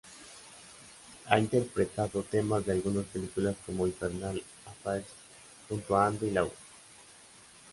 Ha interpretado temas de algunas películas, como "Infernal Affairs" junto a Andy Lau.